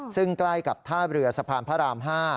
ซึ่งใกล้กับท่าเรือสะพานพระราม๕